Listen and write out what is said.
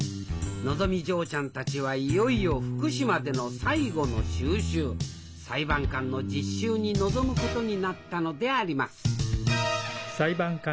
のぞみ嬢ちゃんたちはいよいよ福島での最後の修習裁判官の実習に臨むことになったのであります